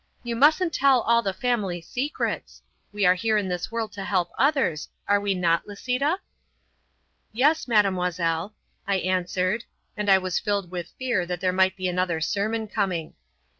"You mustn't tell all the family secrets. We are here in this world to help others; are we not, Lisita?" "Yes, Mademoiselle," I answered, and I was filled with fear that there might be another sermon coming.